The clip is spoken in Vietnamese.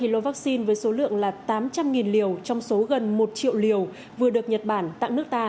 một mươi lô vaccine với số lượng là tám trăm linh liều trong số gần một triệu liều vừa được nhật bản tặng nước ta